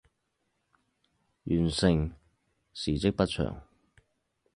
县成事迹不详。